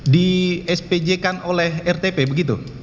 di spj kan oleh rtp begitu